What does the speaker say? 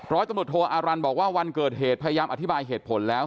ร้อยตำรวจโทอารันทบอกว่าวันเกิดเหตุพยายามอธิบายเหตุผลแล้ว